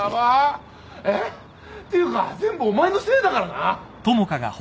えっていうか全部お前のせいだからな。